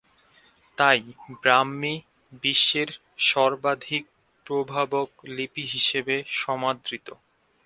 তাই ব্রাহ্মী বিশ্বের সর্বাধিক প্রভাবক লিপি হিসেবে সমাদৃত।